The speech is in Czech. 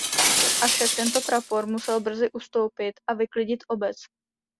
Avšak tento prapor musel brzy ustoupit a vyklidit obec.